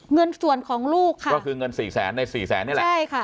เงินส่วนของลูกค่ะก็คือเงินสี่แสนในสี่แสนนี่แหละใช่ค่ะ